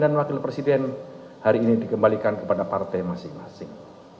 dan wakil presiden hari ini dikembalikan kepada partai masing masing